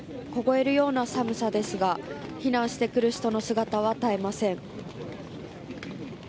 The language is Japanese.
凍えるような寒さですが避難してくる人の姿は絶えません。